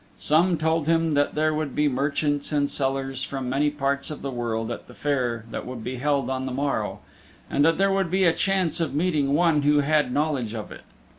Some told him that there would be merchants and sellers from many parts of the world at the fair that would be held on the morrow, and that there would be a chance of meeting one who had knowledge of it.